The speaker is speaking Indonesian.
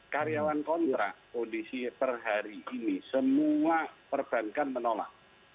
karyawan kontrak kondisi per hari ini semua perbankan menolak